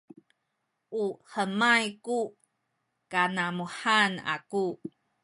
u hemay ku kanamuhan aku